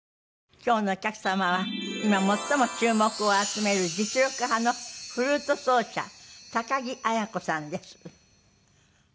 今日のお客様は今最も注目を集める実力派のフルート奏者高木綾子さんです。